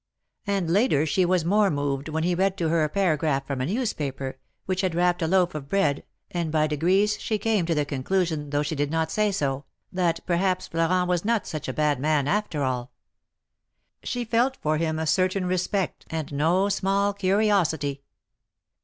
And later she was more moved, when he read to her a paragraph from a newspaper, which had wrapped a loaf of bread, and by degrees she came to the conclusion, though she did not say so, that perhaps Florent was not such a bad man after all. She felt for him a certain respect and no small curiosity.